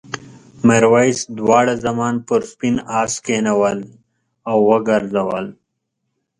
میرويس دواړه زامن پر سپین آس کېنول او وګرځول.